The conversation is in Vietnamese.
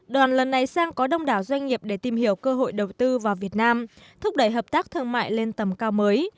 đoàn lần này sang có đông đảo doanh nghiệp để tìm hiểu cơ hội đầu tư vào việt nam thúc đẩy hợp tác thương mại lên tầm cao mới